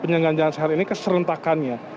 penyelenggaraan jalan sehat ini keserentakannya